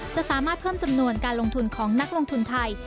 จะสามารถเพิ่มจำนวนการลงทุนของนักลงทุนไทย